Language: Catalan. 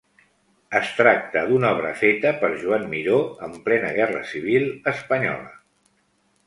Es tracta d'una obra feta per Joan Miró en plena guerra civil espanyola.